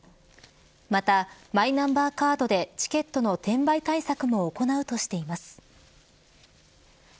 また、マイナンバーカードでチケットの転売対策も行うとしています。